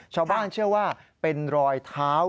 ชาวบ้านเชื่อว่าเป็นรอยเท้า